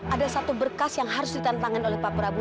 ada satu berkas yang harus ditantangin oleh pak prabu